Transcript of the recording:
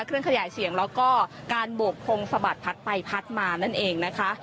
เครื่องขยายเสียงแล้วก็การโบกพงสะบัดพัดไปพัดมานั่นเองนะคะ